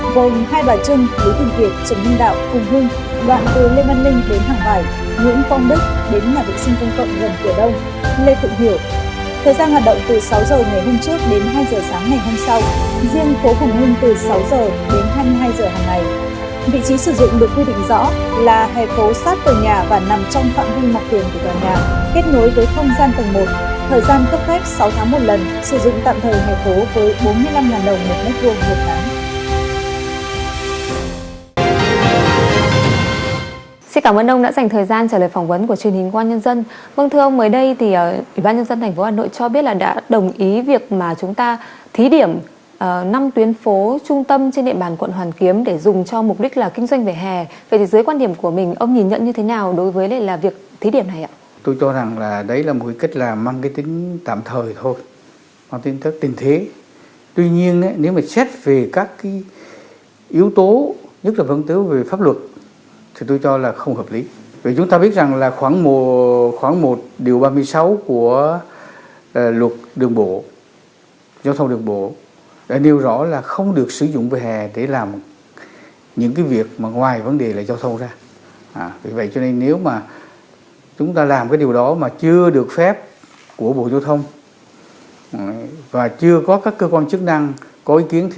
việc sử dụng vỉa hè năm tuyến phố để tổ chức kinh doanh gồm hai đoạn chân đối tượng việt trần minh đạo hùng hương đoạn từ lê văn linh đến hàng vải nguyễn con đức đến nhà vệ sinh công cộng gần tiểu đông lê phụng hiểu